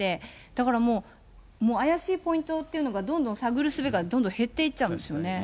だからもう、怪しいポイントっていうのが、どんどん探るすべがどんどん減っていっちゃうんですよね。